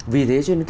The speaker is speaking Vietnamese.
vì thế cho nên